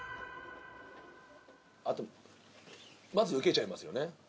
あとまずウケちゃいますよね。